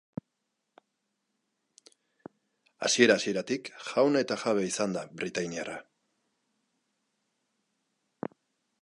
Hasiera-hasieratik jaun eta jabe izan da britainiarra.